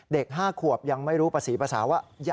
เด็ก๕ขวบยังไม่รู้ประสีภาษาว่า